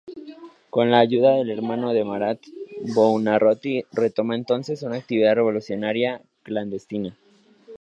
Con la ayuda del hermano de Marat, Buonarroti retoma entonces una actividad revolucionaria clandestina.